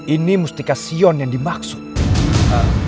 ini mustika sion yang dimaksud